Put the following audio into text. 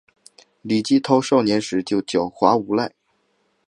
李继韬少年时就狡狯无赖。